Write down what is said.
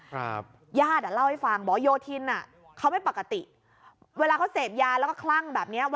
ญาติอ่ะเล่าให้ฟังบอกว่าโยธินอ่ะเขาไม่ปกติเวลาเขาเสพยาแล้วก็คลั่งแบบเนี้ย